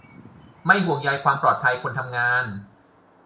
ไม่ห่วงใยความปลอดภัยคนทำงาน